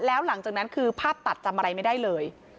แล้วหลังจากนั้นคือภาพตัดจำอะไรไม่ได้เลย